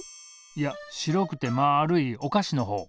いや白くてまるいおかしのほう。